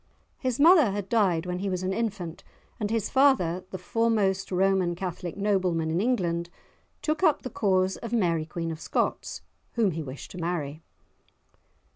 His mother had died when he was an infant, and his father, the foremost Roman Catholic nobleman in England, took up the cause of Mary Queen of Scots, whom he wished to marry.